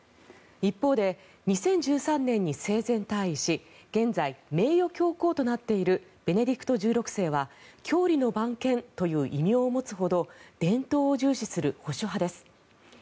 一方で２０１３年に生前退位し現在、名誉教皇となっているベネディクト１６世は教理の番犬という異名を持つほど伝統を重視する保守派です。